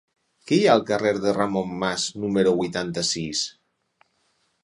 Què hi ha al carrer de Ramon Mas número vuitanta-sis?